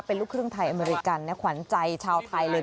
เป็นลูกครึ่งไทยอเมริกันนะขวัญใจชาวไทยเลย